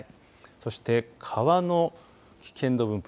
そして川の危険度分布